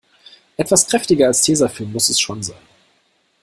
Etwas kräftiger als Tesafilm muss es schon sein.